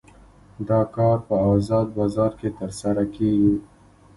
دا کار په ازاد بازار کې ترسره کیږي.